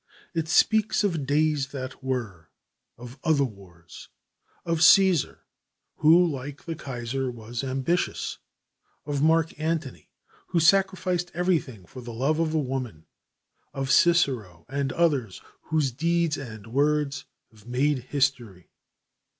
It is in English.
It speaks of days that were, of other wars, of Caesar, who, like the Kaiser, was ambitious, of Marc Antony who sacrificed everything for love of a woman, of Cicero, and others whose deeds and words have made history.